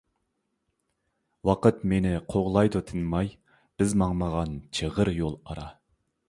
ۋاقىت مېنى قوغلايدۇ تىنماي، بىز ماڭمىغان چىغىر يول ئارا.